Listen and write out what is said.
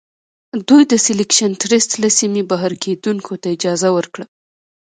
دوی د سیلکشن ټرست له سیمې بهر کیندونکو ته اجازه ورکړه.